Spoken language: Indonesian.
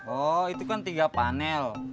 oh itu kan tiga panel